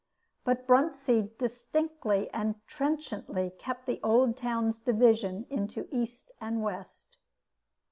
But Bruntsea distinctly and trenchantly kept the old town's division into east and west.